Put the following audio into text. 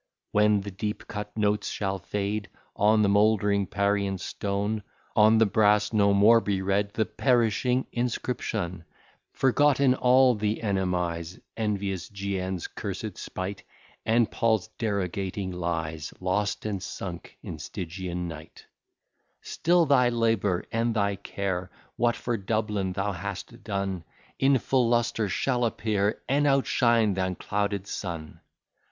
When the deep cut notes shall fade On the mouldering Parian stone, On the brass no more be read The perishing inscription; Forgotten all the enemies, Envious G n's cursed spite, And P l's derogating lies, Lost and sunk in Stygian night; Still thy labour and thy care, What for Dublin thou hast done, In full lustre shall appear, And outshine th' unclouded sun.